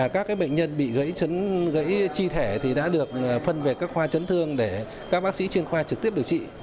các bệnh nhân bị gãy chi thể đã được phân về các khoa chấn thương để các bác sĩ chuyên khoa trực tiếp điều trị